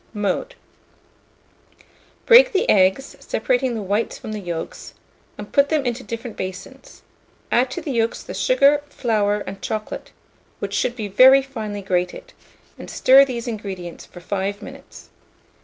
Mode. Break the eggs, separating the whites from the yolks, and put them into different basins; add to the yolks the sugar, flour, and chocolate, which should be very finely grated, and stir these ingredients for 5 minutes.